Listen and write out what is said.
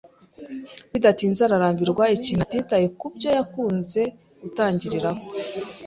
Bidatinze ararambirwa ikintu atitaye kubyo yakunze gutangiriraho.